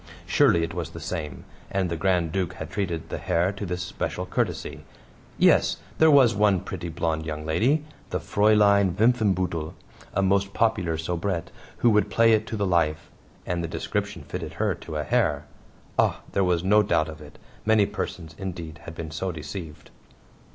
Surely it was the same, and the Grand Duke had treated the Herr to this special courtesy. Yes there was one pretty, blonde young lady the Fraulein Wimpfenbuttel, a most popular soubrette, who would play it to the life! And the description fitted her to a hair! Ah, there was no doubt of it; many persons, indeed, had been so deceived.